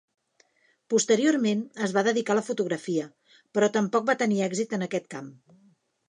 Posteriorment, es va dedicar a la fotografia, però tampoc va tenir èxit en aquest camp.